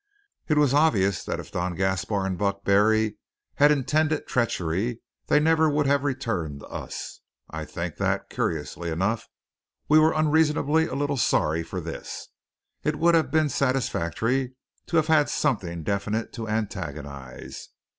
It was obvious that if Don Gaspar and Buck Barry had intended treachery they would never have returned to us. I think that, curiously enough, we were unreasonably a little sorry for this. It would have been satisfactory to have had something definite to antagonize.